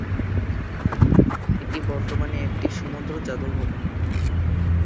এটি বর্তমানে একটি সমুদ্র জাদুঘর।